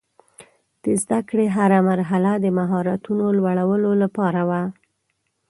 د زده کړې هره مرحله د مهارتونو لوړولو لپاره وه.